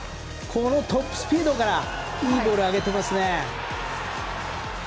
トップスピードからいいボールを上げていますね。